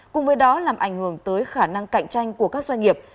cùng với đó làm ảnh hưởng tới khả năng cạnh tranh của các doanh nghiệp